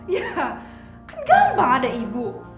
ya kan gampang ada ibu